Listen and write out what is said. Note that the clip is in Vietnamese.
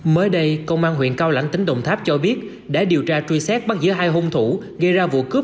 mới đây công an tp hcm cho biết đã điều tra truy xét bắt giữa hai hung thủ gây ra vụ cướp